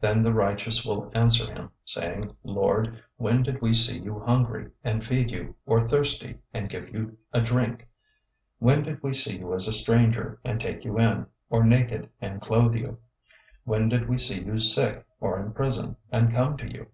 025:037 "Then the righteous will answer him, saying, 'Lord, when did we see you hungry, and feed you; or thirsty, and give you a drink? 025:038 When did we see you as a stranger, and take you in; or naked, and clothe you? 025:039 When did we see you sick, or in prison, and come to you?'